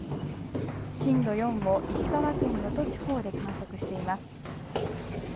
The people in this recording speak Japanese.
震度４を石川県能登地方で観測しています。